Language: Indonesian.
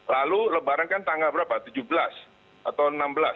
lalu lebaran kan tanggal berapa tujuh belas atau enam belas